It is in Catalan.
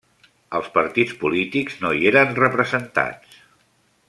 Els partits polítics no hi eren representats.